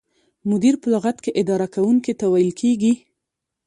مدیر په لغت کې اداره کوونکي ته ویل کیږي.